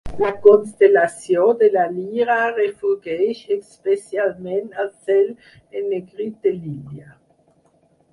La constel·lació de la Lira refulgeix especialment al cel ennegrit de l'illa.